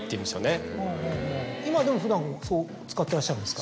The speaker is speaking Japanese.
今でも普段使ってらっしゃるんですか？